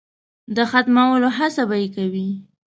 د ختمولو هڅه به یې کوي.